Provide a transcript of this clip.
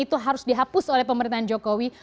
itu harus dihapus oleh pemerintahan jokowi